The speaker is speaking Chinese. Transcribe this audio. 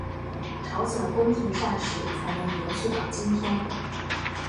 朝鲜宫廷膳食才能延续到今天。